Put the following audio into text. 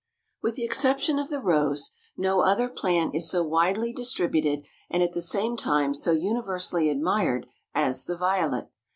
With the exception of the rose, no other plant is so widely distributed and at the same time so universally admired as the Violet.